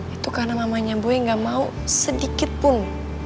itu karena mamanya boy gak mau sedikitpun